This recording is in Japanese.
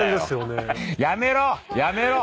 やめろ！